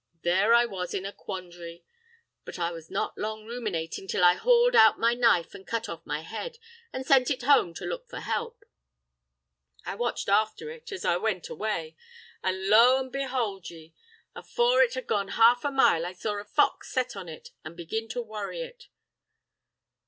There I was in a quandhary—but I was not long ruminatin' till I hauled out my knife, an' cut off my head, an' sent it home to look for help. I watched after it, as it went away, an' lo an' behould ye, afore it had gone half a mile I saw a fox set on it, and begin to worry it.